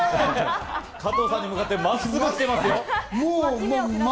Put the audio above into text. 加藤さんに向かってまっすぐ来てますよ。